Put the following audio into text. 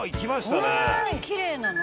こんなにきれいなの？」